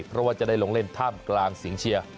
เพราะว่าจะได้ลงเล่นตั้งกลางสิงเชีย